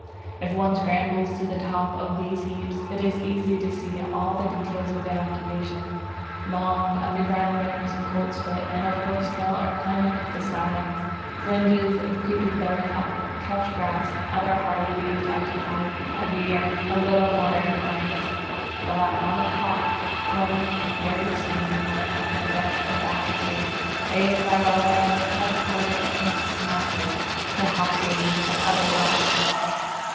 If one scrambles to the top of one of these heaps, it is easy to see all the details of the occupation. Long underground runners of coltsfoot and of horsetail are climbing up the sides, fringes of creeping buttercup, couchgrass, and other hardy weeds occupy, every year, a little more of the flanks, but, on the top, one very soon finds that the dust of the atmosphere, aided by weathering, has afforded a chance to mosses, to hawkweeds, and other rock plants.